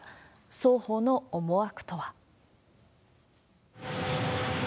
双方の思惑とは。